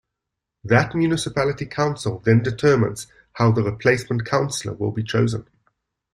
That municipality council then determines how the replacement councillor will be chosen.